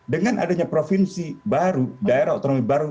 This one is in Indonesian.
dengan adanya provinsi baru daerah otonomi baru